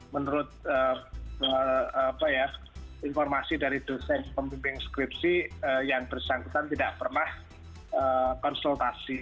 menurut informasi dari dosen pemimpin skripsi yang bersangkutan tidak pernah konsultasi